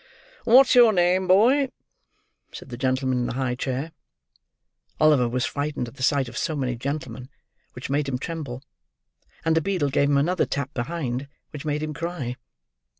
"What's your name, boy?" said the gentleman in the high chair. Oliver was frightened at the sight of so many gentlemen, which made him tremble: and the beadle gave him another tap behind, which made him cry.